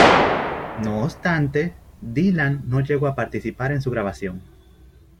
No obstante, Dylan no llegó a participar en su grabación.